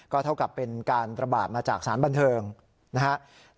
เท่ากับเป็นการระบาดมาจากสารบันเทิงนะครับ